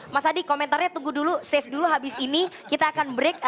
mas adi komentarnya tunggu dulu save dulu habis ini kita akan break